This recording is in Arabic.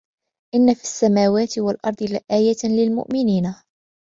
إن في السماوات والأرض لآيات للمؤمنين